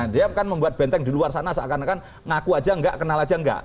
dia kan membuat benteng di luar sana seakan akan ngaku aja nggak kenal aja enggak